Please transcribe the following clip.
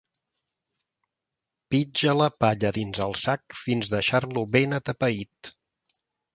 Pitja la palla dins el sac fins deixar-lo ben atepeït.